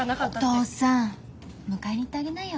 お父さん迎えに行ってあげなよ。